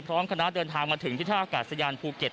คณะเดินทางมาถึงที่ท่าอากาศยานภูเก็ต